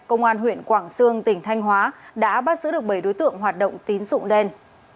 công an huyện quảng sương tỉnh thanh hóa đã bắt giữ được bảy đối tượng hoạt động tín dụng đen